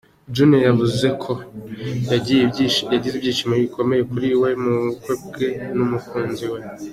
Junior yavuze ko yagize ibyishimo bikomeye kuri we mu bukwe bwe n’umukunzi we .